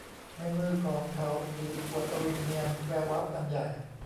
ในมือของเขาถือขวดอะลูมิเนียมแวววับอันใหญ่